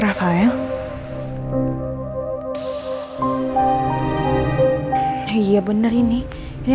kau pakaidie saudara sama siap